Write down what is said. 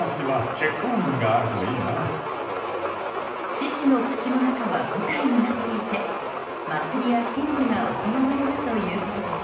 獅子の口の中は舞台になっていて祭りや神事が行われるということです。